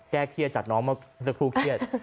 แก้เครียดจากน้องมาสักครู่เครียด